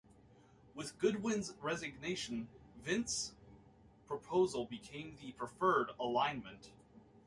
With Goodwin's resignation, Vint's proposal became the preferred alignment.